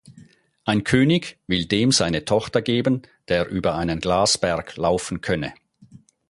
Ein König will dem seine Tochter geben, der über einen Glasberg laufen könne.